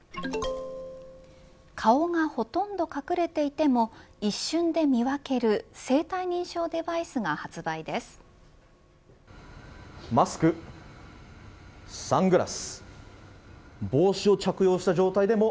顔がほとんど隠れていても一瞬で見分ける生体認証デバイスが発売です。